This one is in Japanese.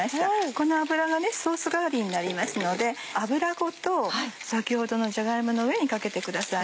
この脂がソース代わりになりますので脂ごと先ほどのじゃが芋の上にかけてください。